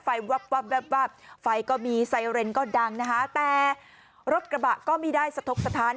วับไฟก็มีไซเรนก็ดังนะคะแต่รถกระบะก็ไม่ได้สะทกสถาน